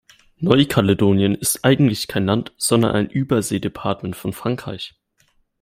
Neukaledonien ist eigentlich kein Land, sondern ein Überseedepartement von Frankreich.